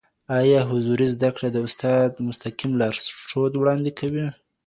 ايا حضوري زده کړه د استاد مستقیم لارښود وړاندې کوي؟